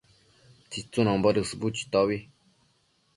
tsitsunombo dësbu chitobi